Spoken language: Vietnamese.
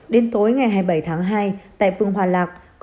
đến tối ngày hai mươi bảy tháng hai tại phương hòa lạc